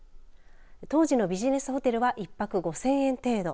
当時のビジネスホテルは一泊５０００円程度。